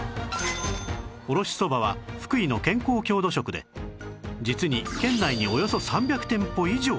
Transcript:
おろしそばは福井の健康郷土食で実に県内におよそ３００店舗以上